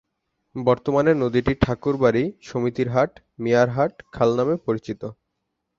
বর্তমানে নদীটি ঠাকুর বাড়ি, সমিতির হাট, মিয়ার হাট খাল নামে পরিচিত।